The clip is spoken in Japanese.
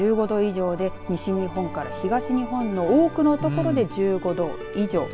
赤の表示が１５度以上で西日本から東日本の多くの所で１５度以上。